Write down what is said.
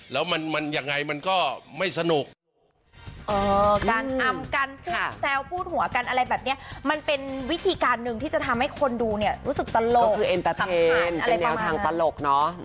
แล้วมันยังไงมันก็ไม่สนุก